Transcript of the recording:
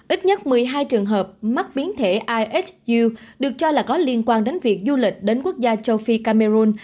ít nhất một mươi hai trường hợp mắc biến thể isu được cho là có liên quan đến việc du lịch đến quốc gia châu phi cameroon